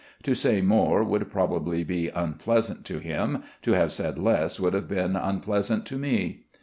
To say more would probably be unpleasant to him, to have said less would have been unpleasant to me.